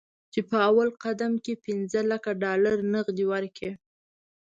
چې په اول قدم کې پنځه لکه ډالر نغد ورکړي.